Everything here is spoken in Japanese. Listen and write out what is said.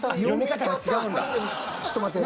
ちょっと待ってよ。